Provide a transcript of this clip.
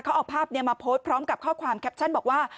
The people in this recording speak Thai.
เขาเอาภาพนี้มาโพสต์พร้อมกับข้อความแคปชั่นบอกว่า